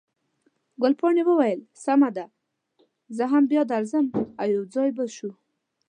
ګلپاڼې وویل، سمه ده، زه هم بیا درځم، او یو ځای به شو.